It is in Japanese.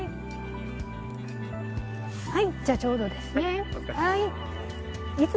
じゃあちょうどですね。